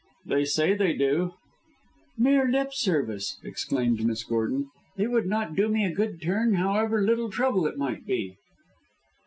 "They say they do." "Mere lip service!" exclaimed Miss Gordon; "they would not do me a good turn however little trouble it might be.